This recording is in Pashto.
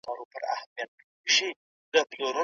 اولادونو ته ئې ضرر نه رسيږي.